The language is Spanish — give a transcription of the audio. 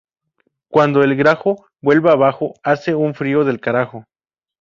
Cuando el grajo vuela bajo, hace un frío del carajo